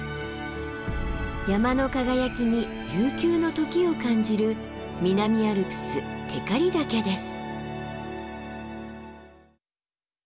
山の輝きに悠久の時を感じる南アルプス光岳です。